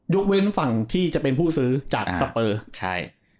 เว้นฝั่งที่จะเป็นผู้ซื้อจากสเปอร์ใช่